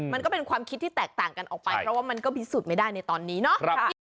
มันก็เป็นความคิดที่แตกต่างกันออกไปเพราะว่ามันก็พิสูจน์ไม่ได้ในตอนนี้เนาะ